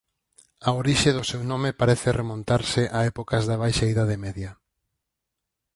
A orixe do seu nome parece remontarse a épocas da Baixa Idade Media.